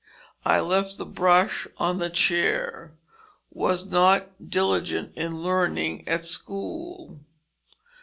I left the brush on the chair; was not diligent in learning at school.